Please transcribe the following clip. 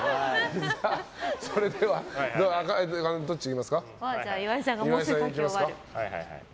それでは、岩井さんいきますか。